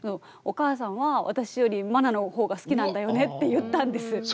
「お母さんは私より茉奈の方が好きなんだよね」って言ったんです。